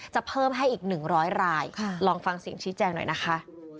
จะเพิ่มให้อีก๑๐๐รายลองฟังเสียงชี้แจงหน่อยนะคะ